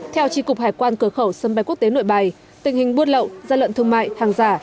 theo tri cục hải quan cửa khẩu sân bay quốc tế nội bài tình hình buôn lậu gian lận thương mại hàng giả